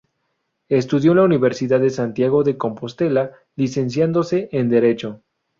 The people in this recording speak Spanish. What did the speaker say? Estudió en la Universidad de Santiago de Compostela, licenciándose en Derecho.